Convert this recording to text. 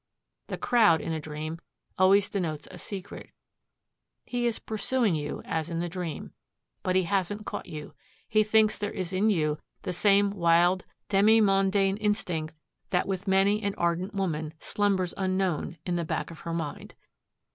The crowd in a dream always denotes a secret. He is pursuing you, as in the dream. But he hasn't caught you. He thinks there is in you the same wild demimondaine instinct that with many an ardent woman, slumbers unknown in the back of her mind.